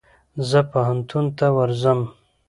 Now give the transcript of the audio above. زه پوهنتون ته ورځم.